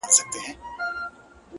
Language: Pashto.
• یو په یو یې خپل عیبونه پلټلای ,